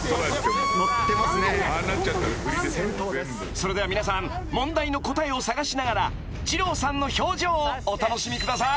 ［それでは皆さん問題の答えを探しながら二朗さんの表情をお楽しみください］